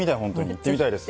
行ってみたいです。